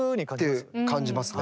って感じますね。